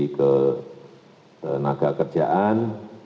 ada bu menteri kenaga kerjaan